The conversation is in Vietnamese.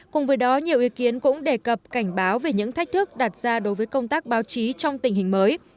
cùng với đó nhiều ý kiến cũng đề cập cảnh báo về những thách thức đặt ra đối với công tác báo chí trong tình hình mới